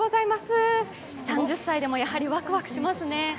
３０歳でもやはり、ワクワクしますね。